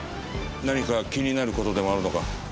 何か気になる事でもあるのか？